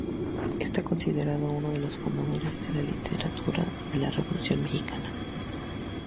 Está considerado uno de los fundadores de la literatura de la Revolución Mexicana.